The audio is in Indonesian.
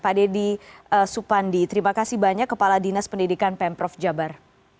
pak deddy supandi terima kasih banyak kepala dinas pendidikan pemprov jabar